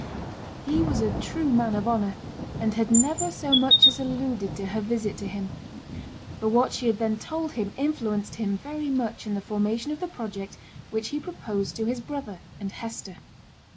He was a true man of honour, and never so much as alluded to her visit to him; but what she had then told him influenced him very much in the formation of the project which he proposed to his brother and Hester.